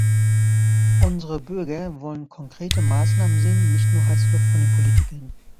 Unsere Bürger wollen konkrete Maßnahmen sehen, nicht nur heiße Luft von den Politikern.